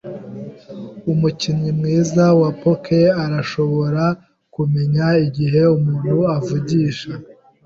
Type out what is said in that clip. Umukinnyi mwiza wa poker arashobora kumenya igihe umuntu avugisha.